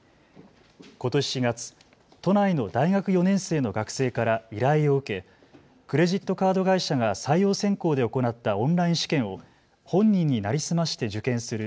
ことし４月、都内の大学４年生の学生から依頼を受けクレジットカード会社が採用選考で行ったオンライン試験を本人に成り済まして受験する